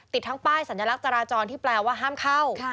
ติดทั้งป้ายสัญลักษณ์จราจรที่แปลว่าห้ามเข้า